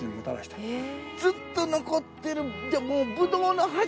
ずっと残ってるってもう。